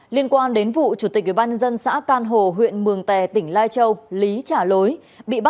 liên quan đến vụ chủ tịch ubnd xã can hồ huyện mường tè tỉnh lai châu lý trả lối